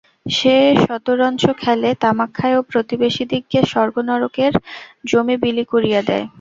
সে সতরঞ্চ খেলে, তামাক খায় ও প্রতিবেশীদিগকে স্বর্গ নরকের জমী বিলি করিয়া দেয়।